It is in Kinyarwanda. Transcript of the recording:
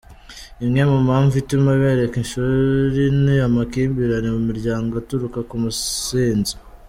Imwe mu mpamvu ituma bareka ishuri ni amakimbirane mu miryango aturuka ku businzi.